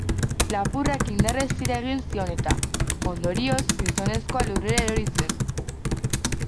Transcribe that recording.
Lapurrak indarrez tira egin zion eta, ondorioz, gizonezkoa lurrera erori zen.